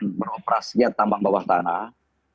kita mengoperasikan tambang bawah tanah